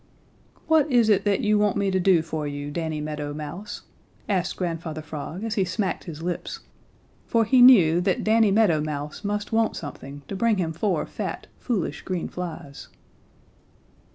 "What is it that you want me to do for you, Danny Meadow Mouse?" asked Grandfather Frog as he smacked his lips, for he knew that Danny Meadow Mouse must want something to bring him four fat, foolish, green flies.